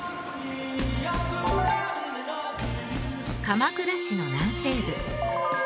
鎌倉市の南西部。